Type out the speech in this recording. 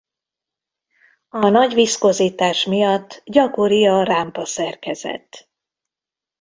A nagy viszkozitás miatt gyakori a rámpa-szerkezet.